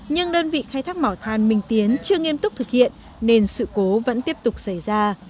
nhưng đơn vị khai thác mỏ than minh tiến chưa nghiêm túc thực hiện nên sự cố vẫn tiếp tục xảy ra